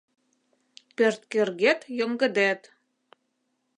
Пӧрткӧргет йоҥгыдет